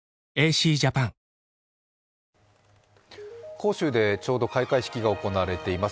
杭州でちょうど開会式が行われています